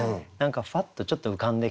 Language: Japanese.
ふわっとちょっと浮かんできて。